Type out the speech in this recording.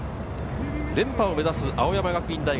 連覇を目指す青山学院大学。